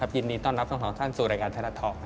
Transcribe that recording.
ยินดีต้อนรับส่วนเขาท่านสุริยะทะเลิศทอร์